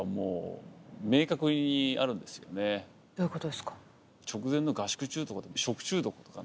どういうことですか？